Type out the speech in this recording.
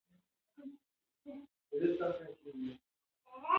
ته مرد اوسه! نامردان باید تر خاورو لاندي سي.